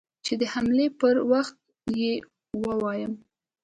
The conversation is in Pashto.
چې د حملې پر وخت يې ووايم.